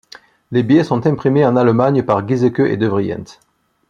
Les billets sont imprimés en Allemagne par Giesecke & Devrient.